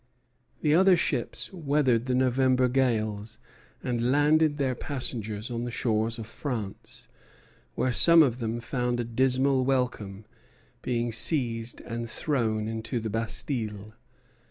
The other ships weathered the November gales, and landed their passengers on the shores of France, where some of them found a dismal welcome, being seized and thrown into the Bastille.